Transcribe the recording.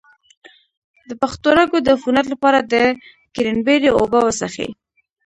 د پښتورګو د عفونت لپاره د کرینبیري اوبه وڅښئ